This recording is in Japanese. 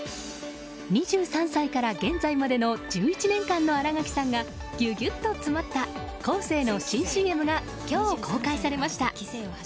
２３歳から現在までの１１年間の新垣さんがぎゅぎゅっと詰まったコーセーの新ＣＭが今日、公開されました。